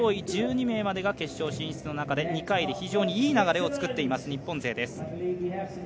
上位１２名までが決勝進出の中で２回で非常にいい流れを作っています日本勢です。